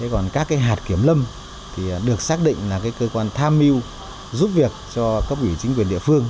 còn các hạt kiểm lâm thì được xác định là cơ quan tham mưu giúp việc cho cấp ủy chính quyền địa phương